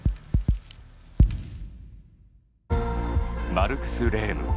マルクス・レーム。